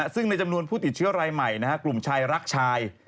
ซึ่งในจำนวนผู้ติดเชื้อรายใหม่กลุ่มชายรักชาย